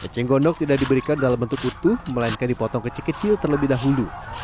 eceng gondok tidak diberikan dalam bentuk utuh melainkan dipotong kecil kecil terlebih dahulu